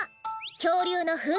きょうりゅうのふんせき。